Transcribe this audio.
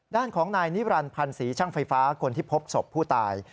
ด้านของนายนิรันดิพันธ์ศรีช่างไฟฟ้าคนที่พบศพผู้ตาย